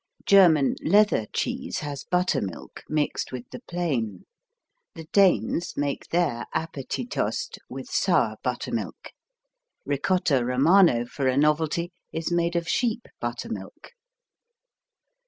German "leather" cheese has buttermilk mixed with the plain. The Danes make their Appetitost with sour buttermilk. Ricotta Romano, for a novelty, is made of sheep buttermilk.